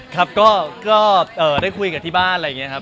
ครับก็ได้คุยกับที่บ้านอะไรอย่างนี้ครับ